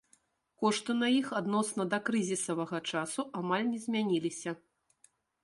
Кошты на іх адносна дакрызісавага часу амаль не змяніліся.